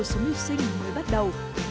với nhiều người cuộc sống hiệu sinh mới bắt đầu